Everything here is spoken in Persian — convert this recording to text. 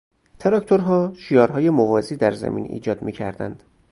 تراکتورها شیارهای موازی در زمین ایجاد میکردند.